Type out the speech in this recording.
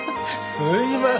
すいません。